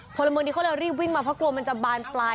พลเมืองดีเขาเลยรีบวิ่งมาเพราะกลัวมันจะบานปลาย